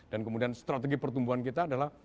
dan kemudian strategi pertumbuhan kita adalah